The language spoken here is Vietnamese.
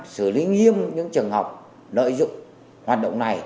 xử lý nghiêm những trường hợp lợi dụng hoạt động này